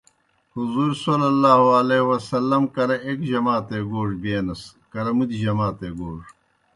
حضورؐ کرہ ایک جماتے گوڙہ بینَس، کرہ مُتیْ جماتے گوڙہ۔